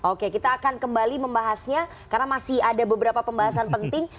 oke kita akan kembali membahasnya karena masih ada beberapa pembahasan penting